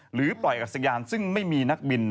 หรือปล่อยอากาศยานซึ่งไม่มีนักบิน